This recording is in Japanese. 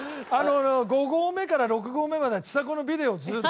５合目から６合目まではちさ子のビデオをずっと。